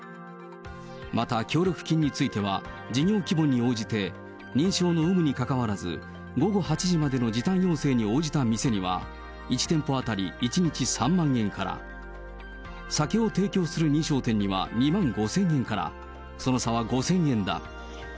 また協力金については、事業規模に応じて、認証の有無にかかわらず、午後８時までの時短要請に応じた店には、１店舗当たり１日３万円から、酒を提供する認証店には２万５０００円から、その差は５０００円だ。